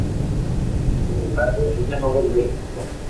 Sin embargo ella no volvió al grupo.